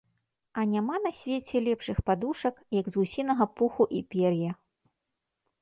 А няма на свеце лепшых падушак, як з гусінага пуху і пер'я.